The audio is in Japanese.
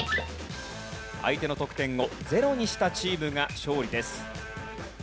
相手の得点をゼロにしたチームが勝利です。